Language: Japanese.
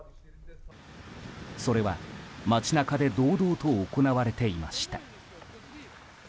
それは街中で堂々と行われていました。